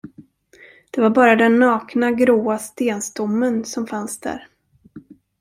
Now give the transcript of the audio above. Det var bara den nakna, gråa stenstommen, som fanns där.